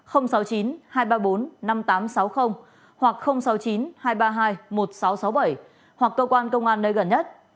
sáu mươi chín hai trăm ba mươi bốn năm nghìn tám trăm sáu mươi hoặc sáu mươi chín hai trăm ba mươi hai một nghìn sáu trăm sáu mươi bảy hoặc cơ quan công an nơi gần nhất